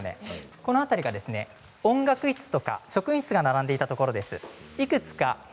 この辺りは音楽室とか職員室が並んでいたところです。